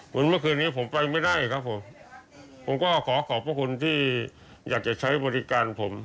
เมื่อคืนนี้ผมไปไม่ได้ครับผมผมก็ขอขอบพระคุณที่อยากจะใช้บริการผม